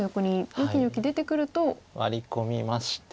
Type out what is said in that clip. ワリ込みまして。